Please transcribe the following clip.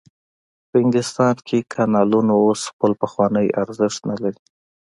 په انګلستان کې کانالونو اوس خپل پخوانی ارزښت نلري.